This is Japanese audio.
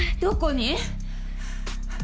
どこに⁉